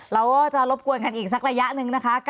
เราก็จะรบกวนกันอีกสักระยะหนึ่งนะคะ